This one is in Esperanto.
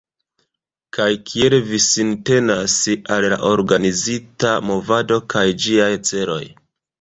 Kaj kiel vi sintenas al la organizita movado kaj ĝiaj celoj?